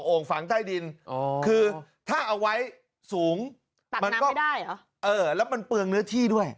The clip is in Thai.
โอ่งฝังใต้ดินคือถ้าเอาไว้สูงตัดน้ำไม่ได้เหรอเออแล้วมันเปลืองเนื้อที่ด้วย